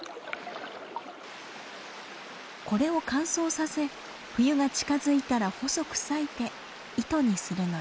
これを乾燥させ冬が近づいたら細く裂いて糸にするのです。